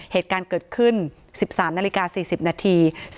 เหตุการณ์เกิดขึ้น๑๓นาฬิกา๔๐นาที